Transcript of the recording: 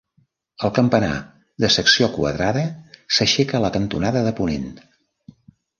El campanar, de secció quadrada s'aixeca a la cantonada de ponent.